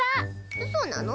そうなの？